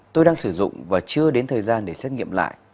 tôi đang sử dụng và chưa đến thời gian để xét nghiệm lại